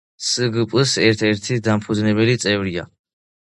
სგპ-ს ერთ-ერთი დამფუძნებელი წევრია.